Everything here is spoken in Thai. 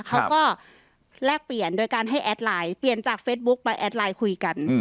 เขาก็แลกเปลี่ยนโดยการให้แอดไลน์เปลี่ยนจากเฟซบุ๊คไปแอดไลน์คุยกัน